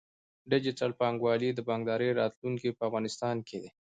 ډیجیټل بانکوالي د بانکدارۍ راتلونکی په افغانستان کې دی۔